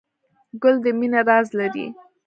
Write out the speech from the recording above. ګل د مینې راز لري.